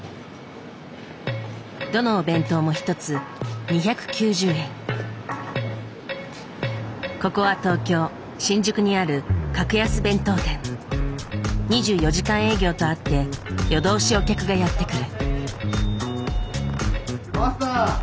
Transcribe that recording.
どのお弁当も一つここは東京・新宿にある２４時間営業とあって夜通しお客がやって来る。